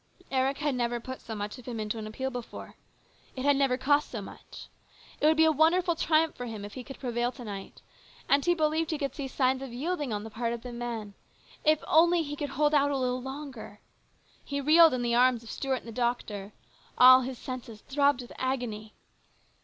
Eric had never put so much of himself into an appeal before. It had never cost so much. It would be a wonderful triumph for him if he could prevail A MEMORABLE NIGHT. 155 to night. And he believed he could see signs of a yielding on the part of the men. If only he could hold out a little longer ! He reeled in the arms of Stuart and the doctor. All his senses throbbed with agony.